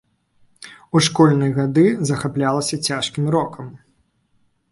У школьныя гады захаплялася цяжкім рокам.